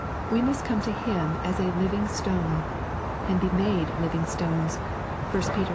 We must come to Him as a Living Stone, and be made living stones (1 Peter ii.